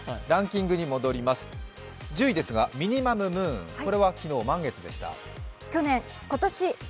ランキングに戻りますと、１０位、ミニマムムーン、これは昨日、満月でした。